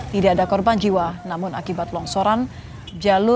tidak ada korban jiwa namun akibat longsor jalur padang solok ditutup lebih dari dua jam